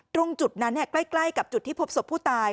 ตรงจุดนั้นใกล้กับจุดที่พบศพผู้ตาย